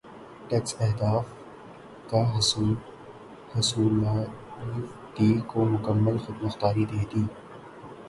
tax اہداف کا حصولایف بی کو مکمل خود مختاری دے دی